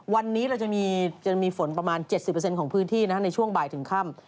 วันนี้เราจะมีฝนประมาณ๗๐ของพื้นที่ในช่วงบ่ายถึงค่ำ